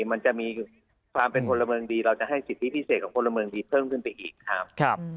มันจะมีความเป็นพลเมืองดีเราจะให้สิทธิพิเศษของพลเมืองดีเพิ่มขึ้นไปอีกครับ